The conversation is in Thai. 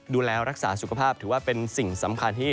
ดูแลรักษาสุขภาพถือว่าเป็นสิ่งสำคัญที่